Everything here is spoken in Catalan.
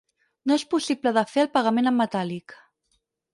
No és possible de fer el pagament en metàl·lic.